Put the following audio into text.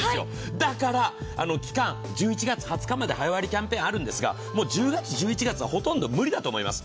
だから期間、１１月２０日まで早割キャンペーンあるんですがもう１０月、１１月、ほとんど無理だと思います。